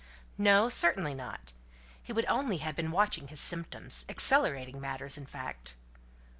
"No; certainly not. He would only have been watching his symptoms accelerating matters, in fact."